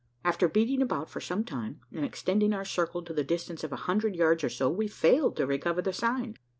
After beating about for some time, and extending our circle to the distance of a hundred yards or so, we failed to recover the sign.